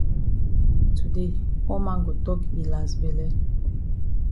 Today all man go tok yi las bele